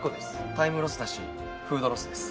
タイムロスだしフードロスです。